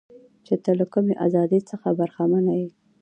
چې ته له کمې ازادۍ څخه برخمنه یې.